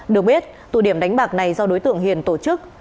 được biết tụ điểm đánh bạc này do đối tượng hiền tổ chức